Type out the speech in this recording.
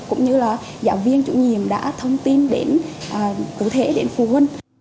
cũng như là giáo viên chủ nhiệm đã thông tin đến cử thể đến phụ huynh